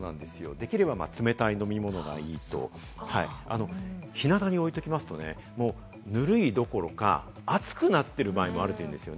できれば冷たい飲み物がいいと日向に置いときますとね、ぬるいどころか、熱くなっている場合もあるというんです。